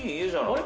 ・あれ？